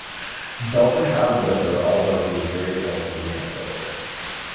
Dalton traveled with her, although he was very ill from renal failure.